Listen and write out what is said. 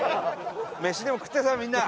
飯でも食ってさ、みんな。